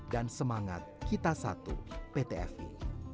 dan semangat kita satu pt fi